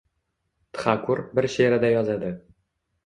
Txakur bir she’rida yozadi: